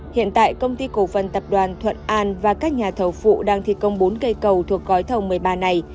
hiện tại công ty cổ phần tập đoàn thuận an và các nhà thầu phụ đang thi công bốn cây cầu thuộc gói thầu một mươi ba này